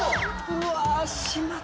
うわしまった。